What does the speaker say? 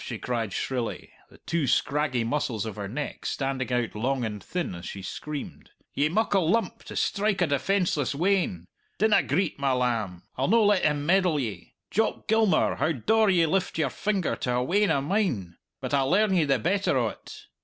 she cried shrilly, the two scraggy muscles of her neck standing out long and thin as she screamed; "ye muckle lump to strike a defenceless wean! Dinna greet, my lamb; I'll no let him meddle ye. Jock Gilmour, how daur ye lift your finger to a wean of mine? But I'll learn ye the better o't!